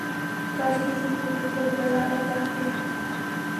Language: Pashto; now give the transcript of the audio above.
کاشکي زموږ د کور پر لاره باندې،